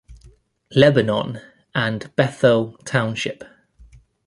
Lebanon, and Bethel Township.